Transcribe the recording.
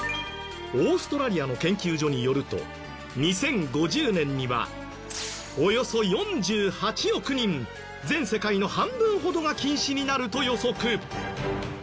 オーストラリアの研究所によると２０５０年にはおよそ４８億人全世界の半分ほどが近視になると予測。